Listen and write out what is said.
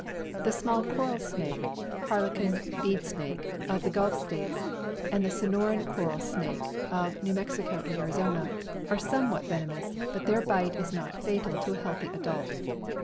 The small coral snake (har lequin, bead snake) of the Gulf states, and the Sonoran coral snake of New Mexico and Ariz ona, are somewhat venomous, but their bite is not fatal to a healthy adult.